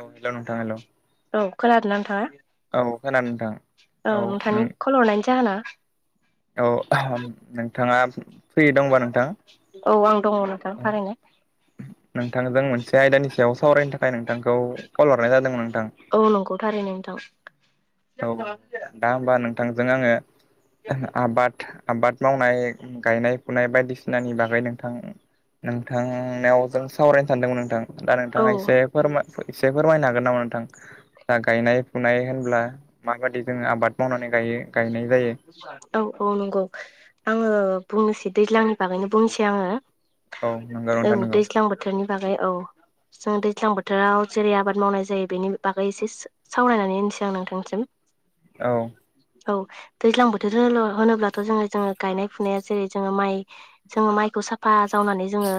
औ हेल' नोंथा हेल' खोनादों नोंथांङा खोनादों नोंथां औ नोंथांनि कल हरनायनि जाहोना औ नोंथाङा फ्रि दंबा नोंथां औ आं दंङ नोंथां थारैनो नोंथांजों मोनसे आयदानि सायाव सावरायनो थाखाय नोंथांखौ कल हरनाय जादों नों औ नंगौथारै नोंथां औ दा होमबा नोंथांजों आंङो आबाद आबाद मावनाय गायनाय फुनाय बायदिसिनानि बागै नोंथां नोंथांनाव जों सावरायनो सानदोंमोन नोंथां दा औ नोंथांङा एसे फोरमाय एसे फोरमायनो हागोन नामा नोंथां दा गायनाय फुनाय होनब्ला माबायदि जोंङो आबाद मावनानै गायो गायनाय जायो औ औ नंगौ आंङो बुंनोसै दैज्लांनि बागैनो बुंनोसै आंङो औ नंगौ औ नोंथां नंगौ दैज्लां बोथोरनि बागै औ जों दैज्लां बोथोराव जेरै आबाद मावनाय जायो बेनि बागै एसे सावरायनानै होनसै आं नोंथांनिसिम औ औ दैज्लां बोथोर होनोब्लाथ' जोंङो जोंङो गायनाय फुनाया जेरै जोंङो माइ जोंङो माइखौ साफा जावनानै जोंङो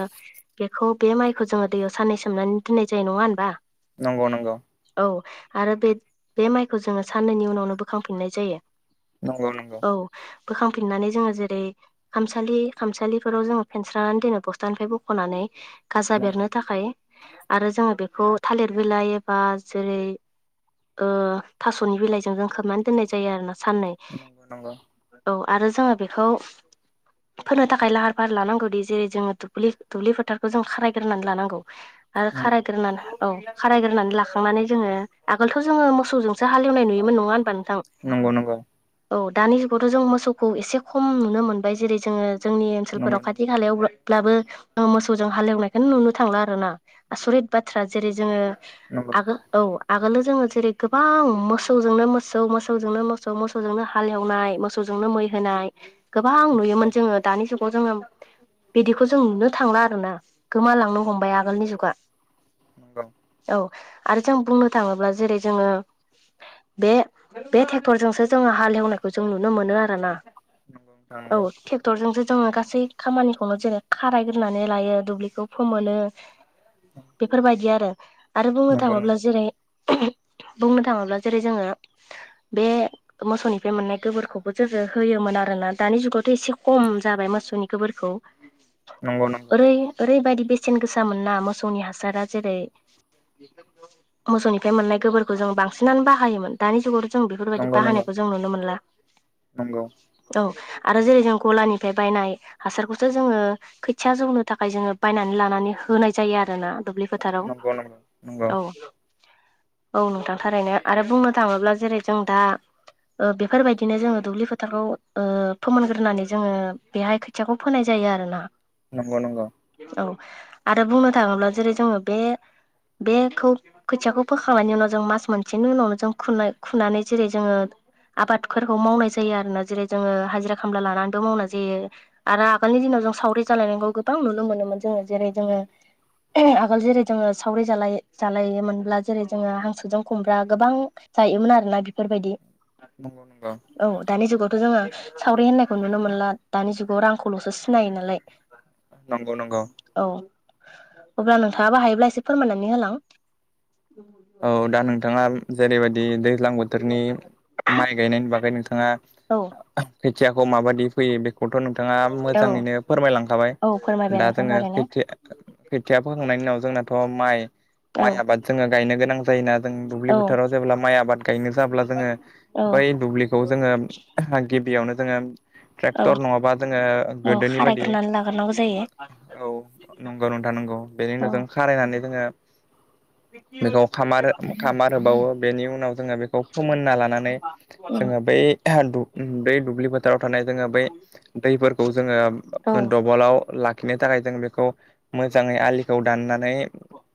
बेखौ बे माइखौ जोंङो दैयाव साननै सोमनानै दोननाय जायो नंङा होनबा नंगौ नंगौ औ आरो बे बे माइखौ जोंङो साननैनि उनावनो बोखांफिननाय जायो नंगौ नंगौ औ बोखांफिननानै जोंङो जेरै खामसालि खामसालिफोराव जोंङो फेनस्रनानै दोनो बस्थानिफ्राय बख'नानै गाजा नंगौ बेरनो थाखाय आरो जोंङो बेखौ थालिर बिलाइ एबा जेरै ओ थास'नि बिलाइजों जों खोमानो दोननाय जायो आरोना साननै नंगौ नंगौ औ आरो जोंङो बेखौ फोनो थाखाय लाहार फाहार लानांगौदि जेरै जों दुब्लि फोथारखौ जों खारायग्रोनानै लानांगौ आरो नंगौ खारायग्रनानै औ खारायग्रोनानै लाखांनानै जोंङो आगोलथ' जोंङो मोसौजोंसो हालेवनाय नुयोमोन नंङा होनबा नोंथां नंगौ नंगौ औ दानि जुगावथ' जों मोसखौ एसे खम नुनो मोनबाय जेरै जोंङो जोंनि ओनसोलफोराव नंगौ खाथि खालायाव ब्लाबो मोसौजों हालेवनायखौनो नुनो थांला आरो ना आसरित बाथ्रा जेरै जोंङो नंगौ आगोल औ आगोल जोंङो जेरै गोबां मोसौजोंनो मोसौ मोसौ मोसौजोंनो मोसौ मोसौजोंनो हालेवनाय मोसौजोंनो मै होनाय गोबां नुयोमोन जोंङो दानि जुगाव जोंङो बिदिखौ जों नुनो थांला आरोना गोमालांनो हमबाय आगोलनि जुगा औ आरो जों बुंनो थाङोब्ला जेरै जोङो बे बे ट्रेक्टरजोंसो जोङो हाल एवनायखौ जों नुनो मोनो आरो ना औ ट्रेक्टरजोंसो जोङो गा सै खामानिखौनो जेरै खारायग्रोनानै लायो दुब्लिखौ फोमोनो बेफोरबायदि आरो आरो बुंनो थाङोब्ला जेरै बुंनो थाङोब्ला जेरै जोङो बे मोसौनिफ्राय मोननाय गोबोरखौबो जोंङो होयोमोन आरोना दानि जुगाव एसे खम जाबाय मोसौनि गोबोरखौ नंगौ नोंथां नंगौ ओरै ओरैबायदि बेसेन गोसा मोनना मोसौनि हासारा जेरै मोसौनिफ्राय मोननाय गोबोरखौ जों बांसिनानो बाहायोमोन दानि जुगावथ' जों बेफोरबायदि नंगौ नंगौ बाहायानायखौ जों नुनो मोनला नंगौ औ आरो जेरै जों गलानिफ्राय बायनाय हासारखौसो जोङो खोथिया जौनो थाखाय जोङो बायनानै लानानै होनाय जायो आरोना दुब्लि फोथाराव नंगौ औ औ नोंथां थारैनो आरो बुंनो थाङोब्ला जेरै जों दा ओ बेफोरबायदिनो जोङो दुब्लि फोथारखौ ओ फोमोनग्रोनानै जोङो बेहाय खोथियाखौ फोनाय जा यो आरो ना नंगौ-नंगौ आरो बुंनो थाङोब्ला जेरै जोङो बे बेखौ खोथियाखौ फोखांनायनि उनाव जों मास मोनसेनि उनावनो जों खुनाय-खुनानै जेरै जोङो आबादफोरखौ मावनाय जायो आरोना जेरै जोङो हाजिरा खामला लानानैबो मावनाय जायो आरो आगोलनि दिनाव जों सावरि जालायनायबो गोबां नुनो मोनोमोन जोङो जेरै जोङो आगोल जेरै जोङो सावरि जालाय जालायोमोनब्ला जेरै जोङो हांसोजों खुमब्रा गोबां जायोमोन आरोना बेफोरबायदि नंगौ औ दानि जुगावथ' जोङो सावरि होननायखौ नुनो मोनला दानि जुगाव रांखौल'सो सिनायो नालाय नंगौ-नंगौ औ अब्ला नोंथाङाबो हायोब्ला एसे फोरमायनानै होलां औ दा नोंथाङा जेरैबायदि दै ज्लां बोथोरनि माइ गायनायनि बागै नोंथाङा औ खोथियाखौ माबायदि फैयो बे खौथ' नोंथाङा औ मोजाङैनो फोरमायलांखाबाय औ फोरमायबाय दा नोंथां जोङो थारैनो खोथिया खोथिया फोखांनायनि उनाव जोंनाथ' औ माइ-माइ आबाद जोङो गायनो गोनां जायोना जों दुब्लि औ बोथोराव जेब्ला माइ आबाद गायनो जाब्ला जोङो औ बै दुब्लिखौ जोङो गिबियावनो जोङो औ ट्रेक्टर नङाबा जोङो औ गोदोनि बायदि खारायग्रोनानै लाग्रोनांगौ जायो औ नंगौ नोंथा नंगौ बेनि औ उनाव जों खारायनानै जोङो बेखौ खामार-खामार होबावो बेनि उनाव जोङो बे खौ फोमोनना लानानै जोङो बै दु- बै दुब्लि फो थाराव थानाय जोङो बै दैफोरखौ औ जोङो दबलाव लाखिनो थाखाय जों बेखौ मोजाङै आलिखौ दाननानै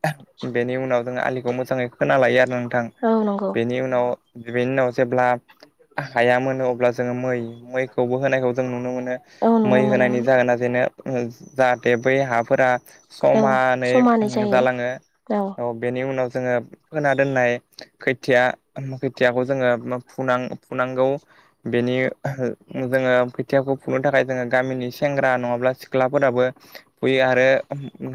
आं बेनि उनाव जों आलिखौ मोजाङै खोना लायो आरोना नोंथां। औ नंगौ बेनि उनाव बेनि उनाव जेब्ला हाया मोनो अब्ला जोङो मै मैखौबो होनायखौ जों नुनो मोनो। औ मै नुनो होनायनि मोनोमोन जाहोना जेनो जाहाथे बै हाफोरा औ समानै समानै उम जायो जालाङो। औ बेनि उनाव जोङो फोना दोननाय खोथिया खोथियाखौ जोङो फुनां फुनांगौ। बेनि अह जोङो खोथियाखौ फुनो थाखाय जोङो गामिनि सेंग्रा नङाब्ला सिख्लाफोराबो फुयो आरो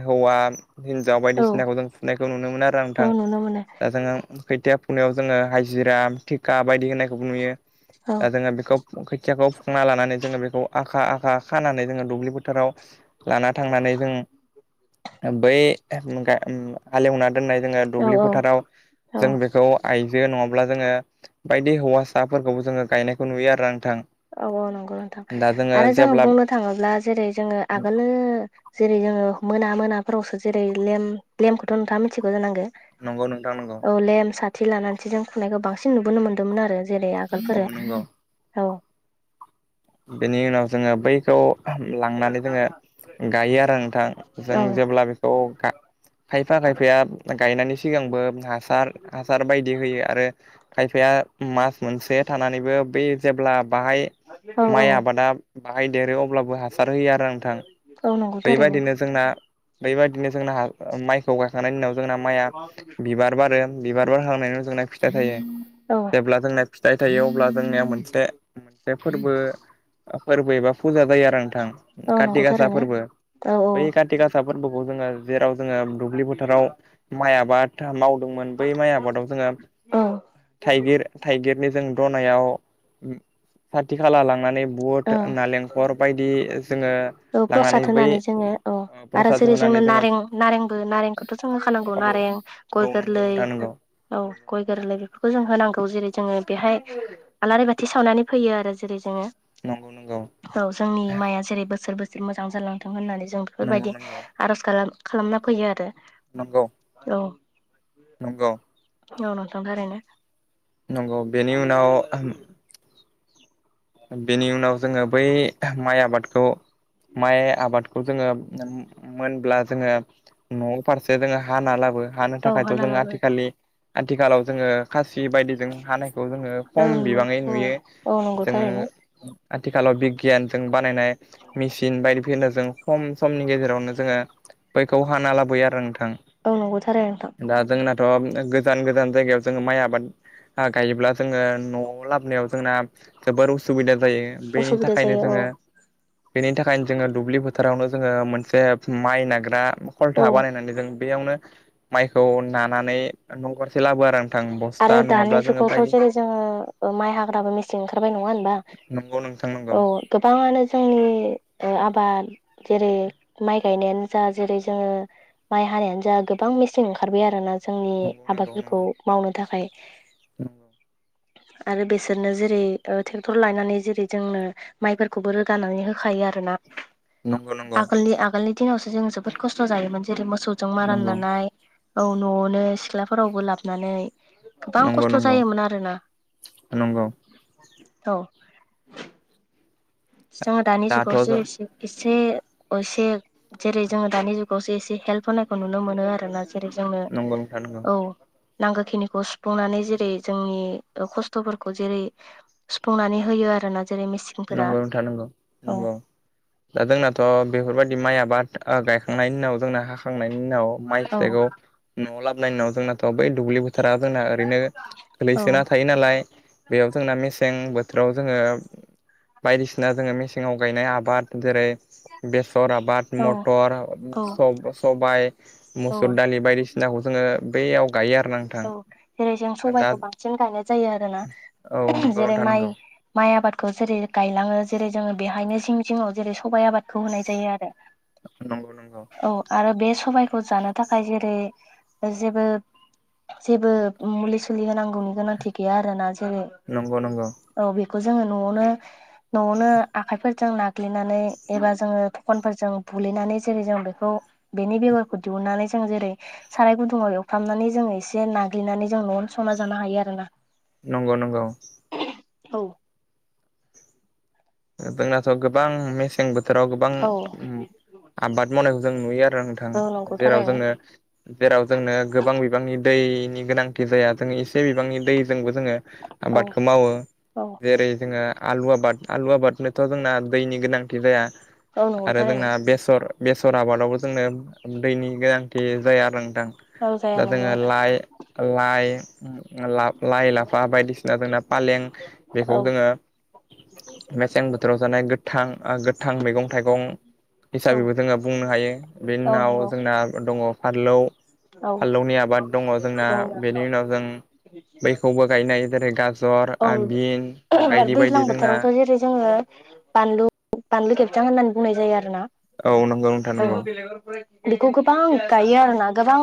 हौवा हिनजाव औ बायदिसिनाखौ जों फुनायखौ नुनो मोनो आरोना औ नोंथां। नुनो मोनो दा जोङो खोथिया फुनायाव जोङो हाजिरा-थिखा बायदि होनायखौबो नुयो। औ दा जोङो बेखौ खोथियाखौ फुखांना लानानै जोङो बेखौ आखा-आखा खानानै जोङो दुब्लि बोथोराव लाना थांनानै जों बै गा ओम हालेवना दोननाय जोङो औ दुब्लि औ फोथाराव औ जों बेखौ आइजो नङा ब्ला जोङो बायदि हौवासाफोरखौबो जोङो गायनायखौ नुयो आरो आं। औ-औ नोंगौ नोंथां। आरो जोङो जेब्ला बुंनो थाङोब्ला जेरै जोङो आगोलो जेरै जोङो मोना-मोनाफ्रावसो जेरै लेम, लेमखौथ नोंथाङा मिथिगौ जानांगो। नंगौ नोंथां नंगौ। थि लानानैसो जों फुनायखौ बांसिन नुबोनो मोन्दोंमोन आरो जेरै औ आगोलफोरो। नंगौ औ, बेनि उनाव जोङो बैखौ लांनानै जोङो गायो आरो नोंथां। जों औ जेब्ला बेखौ गा खायफा-खायफाया गायनायनि सिगांबो हासार हासार बायदि होयो आरो खायफाया आ मास मोनसे थानानैबो बे जेब्ला बाहाय औ औ माइ आबादा बाहायदेरो अब्लाबो हासार होयो आरो नोंथां। औ नंगौ थारैनो बैबायदिनो जोंना बैबायदिनो जोंना हा माइखौ गा खांनायनि उनाव जोंना माइआ बिबार बारो। बिबार बारहांनायनि उनाव जोंना फिथाइ औ थायो। अब्ला जों ना फिथाइ थायो अब्ला जोंनिया मोनसे मोनसे फोरबो फोरबो एबा फुजा जायो आरो नोंथां। औ काथि नंगौ गासा थारैनो फोरबो। औ बै काथि गासा फोर्बोखौ जोङो जेराव जोङो दुब्लि फोथाराव माइ आबाद माव दोंमोन बै माइ आबादाव जोङो औ थाइगिर थाइगिरनि जों दनायाव साथि खाला लांनानै औ बुट, नालेंखर बायदि जोङो लांनानै बै नानै जोङो अ आरो प्रसाद जेरै जोंनो होनानै जोङो नारें नारेंबो नारेंखौथ जोङो होखानांगौे। औ नारें गय नंगौ गोरलै नोंथां नोंगौ। औ गय गोरलै बेफोरखौ जों होनांगौ। जेरै जोङो बेहाय आलारि बाथि सावनानै फैयो आरो जेरै जोङो नंगौ नंगौ औ जोंनि माइआ जेरै बोसोर बोसोर मोजां जालांथों होननानै जों बेफोरबायदि नंगौ आर'ज खालाम खालामना फैयो आरो। नंगौ औ नंगौ हन' नोंथां थारैनो। नंगौ बेनि उनाव अम बेनि उनाव जोङो बै माइ आबादखौ माइ आबादखौ जोङो नोम मोनब्ला जोङो न फारसे जोङो हाना लाबो। हानो औ थाखायथ हाना जों लाबो आथिखालि आथिखालाव जोङो खास सि बायदिजों हानायखौ जोङो औ खम नंगौ बिबाङै औ नुयो। औ नंगौ थारैनो खालाव बिगियानजों बानायनाय मेचिन बायदिफोरनो जों खम समनि गेजेरावनो जोङो बैखौ हाना लाबोयो आरो नोंथां। औ नंगौ थारैनो नोंथां दा जोंना अ गोजान गोजान जायगायाव जोङो माइ आबाद ओ गायोब्ला जोङो न'आव लाबोनायाव जोंना जोबोर उसुबिदा जायो बेनि असुबिदा थाखायनो जायो औ जोङो बेनि थाखायनो जोङो दुब्लि फोथारावनो जोङो मोनसे माइ नाग्रा। औ खलथा बानायनानै जों बेयावनो माइखौ नानानै न फारसे लाबो आ आरो दानि जुगावथ जेरै जोङो माइ हाग्राबो मेसें ओ ओंखारबाय नङा होनबा नंगौ नोंथां नंगौ औ गोबाङानो जोंनि ओ आबाद जेरै माइ गायनायानो जा जेरै जोङो माइ हानायानो जा गोबा बां मेसेन ओंखारबाय आरोना जोंनि नंगौ नंगौ आबादफोरखौ नंगौ मावनो थाखाय [inaudible] आरो बेसोरनो जेरै टेक्टर लायनानै जेरै जोंनो माइफोरखौबो रोगानानै होखायो आरो ना [inaudible] आगोलनि आगोलनि दिनावसो जों जोबोद खस्थ' जायोमोन जेरै मोसौजों माराननानाय। औ न'आवनो सिख्लाफोरावबो लाबोनानै गोबां नंगौ खस्थ' नंगौ जायोमोन आरोना। नंगौ औ जोङो दानि दाथ' जुगावसो एसे एसे-एसे जेरै जोङो दानि जुगावसो एसे हेल्प होनायखौ नुनो मोनो आरोना जेरै जोंनो नंगौ नोंथां नंगौ औ नांगौखिनिखौ सुफुंनानै जेरै जोंनि ओ खस्थ'फोरखौ जेरै सुफुंनानै होयो आरोना जेरै मिसिंफोरा नगौनंगौ दा जोंनाथ' बेफोरबायदि माइ आबाद आ गायखांनायनि उनाव जोंना हाखांनायनि उनाव माइ औ फिथाइखौ न'आव ला इनाव जोंनाथ' बै दुब्लि बोथोरा जोंना ओरैनो औ गोलैसोना थायो नालाय। बेयाव जोंना मेसें बोथोराव जोङो बायदिसिना जोङो मेसेंआव गायनाय आबाद जेरै बेसर सर आबाद मथर औ सब-सबाय औ मुसुर दालि बायदिसिना नाखौ जोङो बैयाव गायो आरो ना नोंथां औ जेरै जों दा सबाइखौ बांसिन गायनाय जायो आरोना औ नंगौ जेरै नोंथां नंगौ माइ-माइ आबाद खौ जेरै गायलाङो जेरै जोङो बेहायनो सिं जिङाव जेरै सबाइ आबादखौ होनाय जायो आरो नंगौ नंगौ औ आरो बे सबाय जानो थाखाय जेरै जेबो जेबो मुलि सुलि होनांगौनि गोनांथि गैया आरोना जेरै नंगौ औ बेखौ जोङो न'आवनो न'आवनो आखाइफोर जों नाग्लिनानै एबा जोङो फखनफोरजों बु्लिनानै जेरै जों बेखौ बेनि बेगरखौ दिहुन नानै जों जेरै साराय गुुदुंआव एवफ्रनानै एसे जे नाग्लिनानै जों न'आवनो संना जानो हायो आरो ना। नंगौ नंगौ। औ जोंनाथ' गोबां मेसें बोथोराव गोबां औ आबाद मावनायखौ जों नुयो आरो नोंथां औ नंगौ जेराव थारैनो जोंनो जेराव जोंनो गोबां बिबांनि दै गोनांथि जाया। जों एसे बिबांनि दैजोंबो जोङो औ आबादखौ मावो औ जेरै जोङो आलु आबाद आलु आबादनोथ' जोंना दैनि गोनांथि जाया औ नंगौ आरो थारैनो जोंना बेसर बेसर आबादावबो जोंनो दैनि गोनांथि जाया आरो नोंथां औ जाया दा नंगौ जोङो नोंथां लाइ-लाइ लाइ-लाफा बायदिसिना जोंना फालें बेखौ औ जोङो मेसें बोथोराव जानाय गोथां-गोथां मैगं-थाइगं हिसाबैबो जोङो बुंनो हायो बेनि औ उनाव नंगौ जोंना दङ फारलौ औ फाललौनि आबाद दङ जोंना बेनि उनाव जों बैखौबो गायनाय जेरै गाजर आबिन बायदि बायदि जोंना थ' जेरै जोङो बानलु-बानलु खेबथां होननानै बुंनाय जायो आरो ना औ नंगौ नोंथां नंगौ औ बेखौ गोबां गायो आरोना गोबां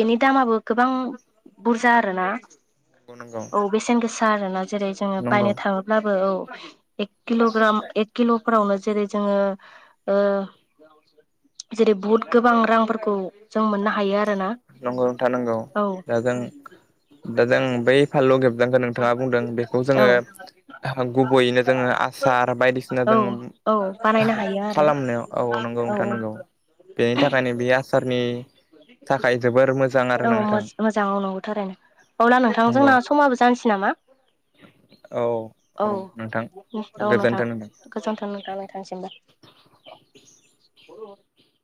बेनि दामाबो गोबां बुरजा आरोना नंगौ औ बेसेन गोसा आरोना जेरै जोङो नंगौ बायनो थाङोब्लाबो औ एक किल'ग्राम एक किल'फोरावनो जेरै जोङो ओ जेरै बुहुत गोबां रांफोरखौ जों मोननो हा नंगौ नोंथां नंगौ दा जों दा जों बै फाललु गेबजांखौ नोंथाङा बुंदों बेखौ जोङो औ गुबैयैनो जोङो आसार बायदिसिना औ जों औ बानायनो हायो आरो खालामनायाव औ नंगौ नोंथा नंगौ बेनि थाखायनो बि आसारनि थाखाय जोबोर मोजां आरो औ नोंथां मोज-मोजाङाव नंगौ थारैनो अब्ला नोंथां नंगौ जोंना समाबो जानसै नामा [unintelligible] औ औ नोंथां गोजोनथों नोंथां नोंथांनिसिमबो [inaudible] [unintelligible]